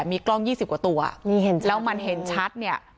มีกล้อง๒๐กว่าตัวแล้วมันเห็นชัด